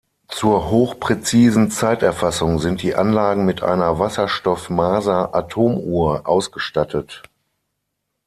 Zur hochpräzisen Zeiterfassung sind die Anlagen mit einer Wasserstoff-Maser-Atomuhr ausgestattet.